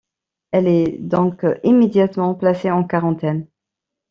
Elle est donc immédiatement placée en quarantaine.